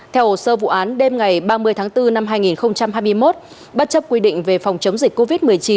theo hồ sơ vụ án đêm ngày ba mươi tháng bốn năm hai nghìn hai mươi một bất chấp quy định về phòng chống dịch covid một mươi chín